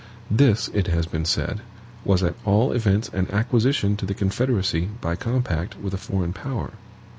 This, it has been said, was at all events an acquisition to the Confederacy by compact with a foreign power.